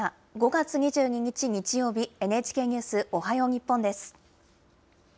５月２２日日曜日、ＮＨＫニュースおはよう日本です。